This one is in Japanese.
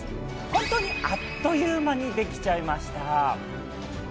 本当にあっという間にできちゃいました。